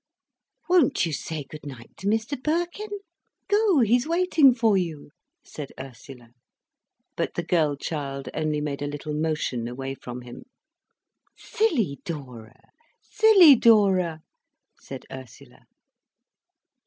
"Won't you say good night to Mr Birkin? Go, he's waiting for you," said Ursula. But the girl child only made a little motion away from him. "Silly Dora, silly Dora!" said Ursula.